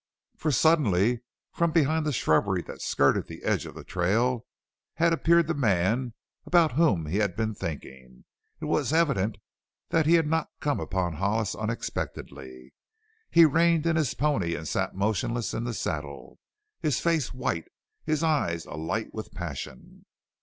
For suddenly, from behind the shrubbery that skirted the edge of the trail, had appeared the man about whom he had been thinking! It was evident that he had not come upon Hollis unexpectedly. He reined in his pony and sat motionless in the saddle, his face white, his eyes alight with passion.